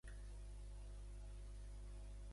Emilio Garcia és un artista nascut a Tarragona.